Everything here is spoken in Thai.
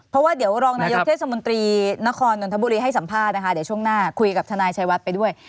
เพราะว่าเดี๋ยวรองนายกเทศมนตรีนครนนทบุรีให้สัมภาษณ์นะคะเดี๋ยวช่วงหน้าคุยกับทนายชายวัดไปด้วย